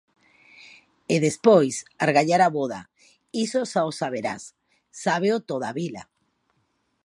E despois argallar a voda... iso xa o saberás, sábeo toda a vila.